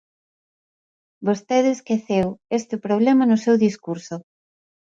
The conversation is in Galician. Vostede esqueceu este problema no seu discurso.